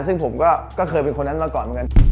ซึ่งผมก็เคยเป็นคนนั้นมาก่อน